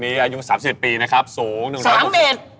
ตรัญเวียงเฮ